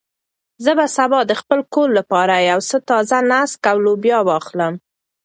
زه به سبا د خپل کور لپاره یو څه تازه نېسک او لوبیا واخلم.